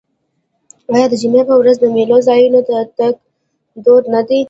آیا د جمعې په ورځ د میلو ځایونو ته تګ دود نه دی؟